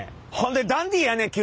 ほんでダンディーやね